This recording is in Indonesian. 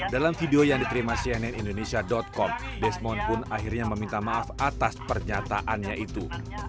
dalam video yang diterima cnn indonesia com desmond pun akhirnya meminta maaf atas pernyataannya itu